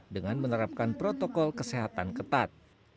dengan menerapkan protokol kesehatan ketat